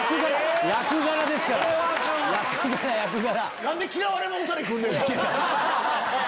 役柄役柄！